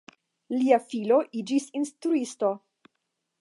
Lia filo iĝis instruisto.